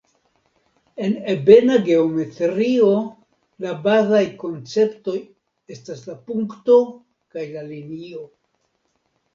En ebena geometrio la bazaj konceptoj estas la punkto kaj la linio.